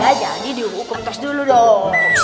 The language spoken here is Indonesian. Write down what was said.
ya jadi dihukum terus dulu dong